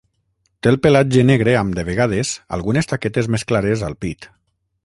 Té el pelatge negre amb, de vegades, algunes taquetes més clares al pit.